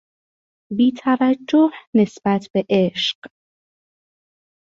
بیتوجه نسبت به عشق